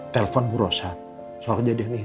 telepon bu rosat soal kejadian ini